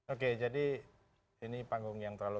oke jadi ini panggung yang terlalu